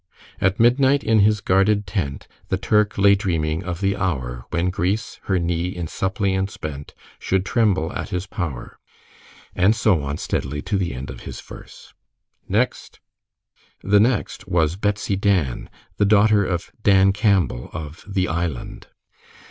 "At midnight in his guarded tent, The Turk lay dreaming of the hour When Greece, her knee in suppliance bent, Should tremble at his power." And so on steadily to the end of his verse. "Next!" The next was "Betsy Dan," the daughter of Dan Campbell, of "The Island."